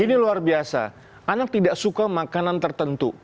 ini luar biasa anak tidak suka makanan tertentu